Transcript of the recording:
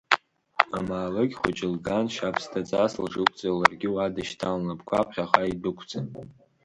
Амаалықь хәыҷы лган шьабсҭаҵас лҽықәҵа, ларгьы уа дышьҭан, лнапқәа ԥхьаҟа идәықәҵа.